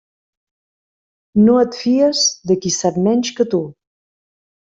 No et fies de qui sap menys que tu.